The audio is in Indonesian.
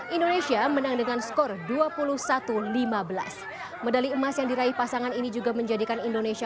indonesia menang dengan skor dua puluh satu lima belas medali emas yang diraih pasangan ini juga menjadikan indonesia